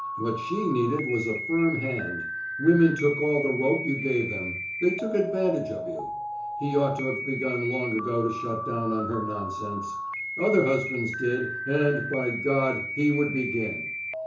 What she needed was a firm hand. Women took all the rope you gave them they took advantage of you. He ought to have begun long ago to shut down on her nonsense. Other husbands did, and by God, he would begin.